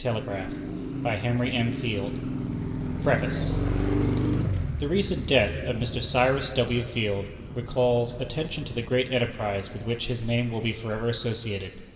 Astor Place, New York PREFACE The recent death of Mr. Cyrus W. Field recalls attention to the great enterprise with which his name will be forever associated.